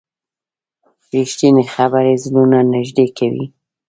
رښتیني خبرې زړونه نږدې کوي.